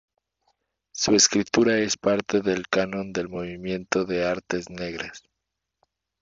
Su escritura es parte del canon del Movimiento de Artes Negras.